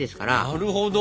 なるほど。